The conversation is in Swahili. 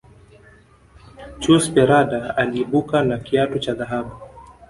chus pereda aliibuka na kiatu cha dhahabu